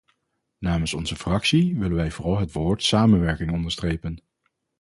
Namens onze fractie willen wij vooral het woord samenwerking onderstrepen.